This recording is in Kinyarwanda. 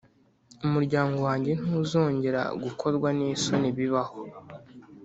Umuryango wanjye ntuzongera gukorwa n’isoni bibaho.»